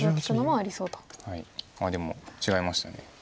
あっでも違いました。